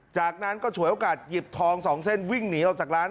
จากนั้นก็ฉวยโอกาสหยิบทอง๒เส้นวิ่งหนีออกจากร้าน